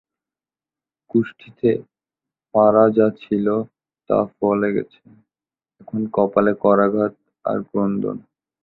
কুষ্ঠিতে ফাঁড়া যা ছিল তা ফলে গেছে, এখন কপালে করাঘাত আর ক্রন্দন।